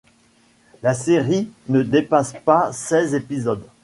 La série ne dépasse pas seize épisodes.